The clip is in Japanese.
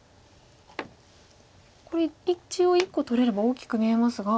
これ一応１個取れれば大きく見えますが。